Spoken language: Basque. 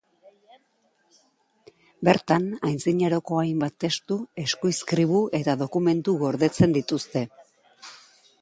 Bertan, antzinaroko hainbat testu, eskuizkribu eta dokumentu gordetzen dituzte.